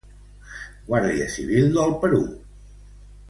Guàrdia Civil del Perú.